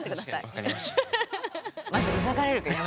分かりました。